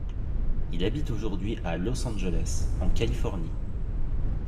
Il habite aujourd'hui à Los Angeles en Californie.